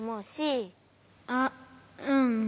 あっうん。